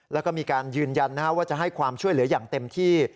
แล้วก็มีการยืนยันว่าจะให้ความช่วยเหลืออย่างเต็มที่